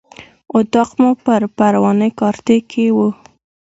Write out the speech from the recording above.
اطاق مو په پروان کارته کې و.